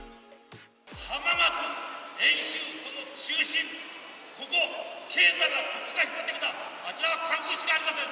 浜松、遠州の中心、経済はここが引っ張ってきた、あちらは観光しかありません。